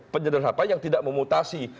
penyederhan partai yang tidak memutasi